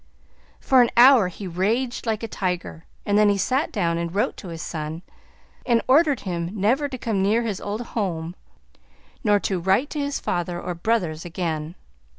For an hour he raged like a tiger, and then he sat down and wrote to his son, and ordered him never to come near his old home, nor to write to his father or brothers again.